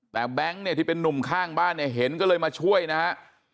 แต่แบงค์เนี่ยที่เป็นนุ่มข้างบ้านเนี่ยเห็นก็เลยมาช่วยนะฮะ